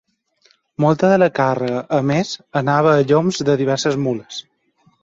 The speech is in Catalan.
Molta de la càrrega, a més, anava a lloms de diverses mules.